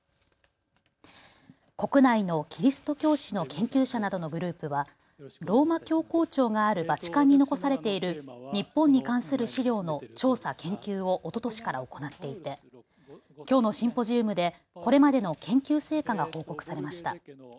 国内のキリスト教史の研究者などのグループはローマ教皇庁があるバチカンに残されている日本に関する資料の調査・研究をおととしから行っていてきょうのシンポジウムでこれまでの研究成果が報告されました。